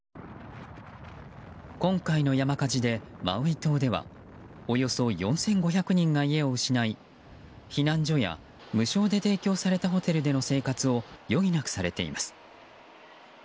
今回の山火事でマウイ島ではおよそ４５００人が家を失い避難所や無償で提供されたホテルでの生活を余儀なくされています。